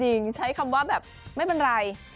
ใช้คำว่าแบบไม่เป็นไร